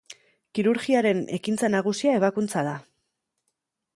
Kirurgiaren ekintza nagusia ebakuntza da.